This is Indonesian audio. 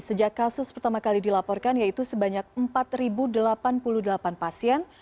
sejak kasus pertama kali dilaporkan yaitu sebanyak empat delapan puluh delapan pasien